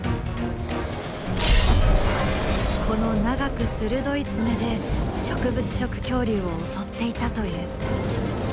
この長く鋭い爪で植物食恐竜を襲っていたという。